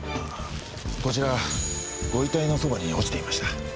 こちらご遺体のそばに落ちていました。